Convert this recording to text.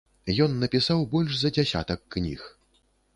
Ён напісаў больш за дзясятак кніг.